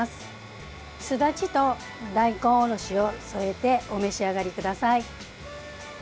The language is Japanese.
すだちと大根おろしを添えてお召し上がりください。